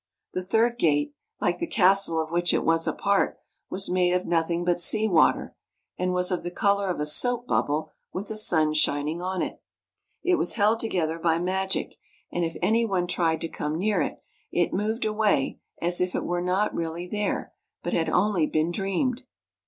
The third gate, like the castle of which it was a part, was made of nothing but sea water, and was of the color of a soap bubble with the sun shining on it. It was held together by magic, and if any one tried to come near it, it moved away as if it were not really there but had only been dreamed.